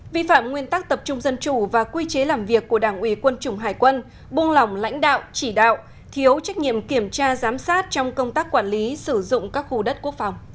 vi phạm nguyên tắc tập trung dân chủ và quy chế làm việc của đảng ủy quân chủng hải quân buông lỏng lãnh đạo chỉ đạo thiếu trách nhiệm kiểm tra giám sát trong công tác quản lý sử dụng các khu đất quốc phòng